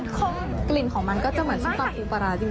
ทางร้านก็ยังมีรสชาติแปลกอีกอย่าง